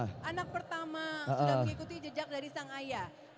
sudah mengikuti jejak dari sang ayah